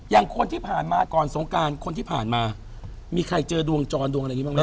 อย่างคนที่ผ่านมาก่อนสงการคนที่ผ่านมามีใครเจอดวงจรดวงอะไรอย่างนี้บ้างไหม